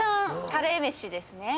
カレーメシですね。